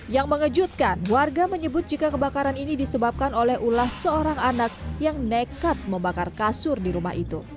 yang mengejutkan warga menyebut jika kebakaran ini disebabkan oleh ulas seorang anak yang nekat membakar kasur di rumah itu